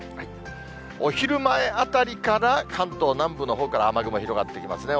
お昼前あたりから、関東南部のほうから雨雲広がってきますね。